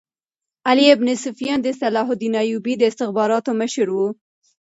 علي بن سفیان د صلاح الدین ایوبي د استخباراتو مشر وو